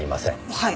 はい。